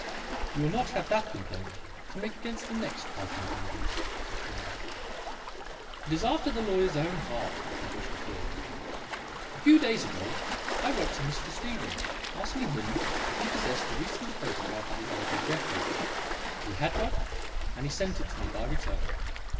"You will not have that complaint to make against the next item of evidence," said Thorndyke. "It is after the lawyer's own heart, as you shall hear. A few days ago I wrote to Mr. Stephen asking him if he possessed a recent photograph of his uncle Jeffrey. He had one, and he sent it to me by return.